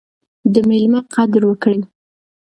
د میلمه قدر وکړئ.